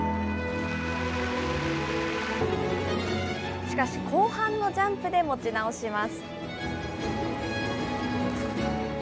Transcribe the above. しかし、後半のジャンプで持ち直します。